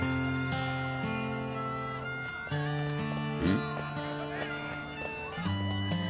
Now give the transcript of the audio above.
ん？